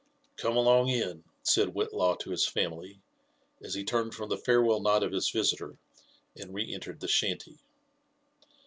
'' Come along in," said Whillaw to his family, as he turned from the farewell nod of his visiter and re entered the shanty.